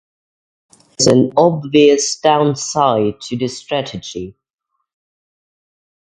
There is an obvious downside to this strategy.